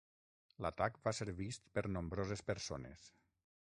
L'atac va ser vist per nombroses persones.